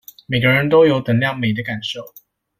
每個人都有等量美的感受